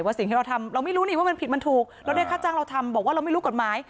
สิ่งที่เราทำเราไม่รู้นี่ว่ามันผิดมันถูกเราได้ค่าจ้างเราทำบอกว่าเราไม่รู้กฎหมาย